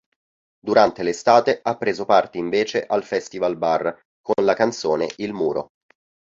Durante l'estate ha preso parte invece al Festivalbar con la canzone "Il muro".